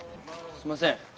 すいません。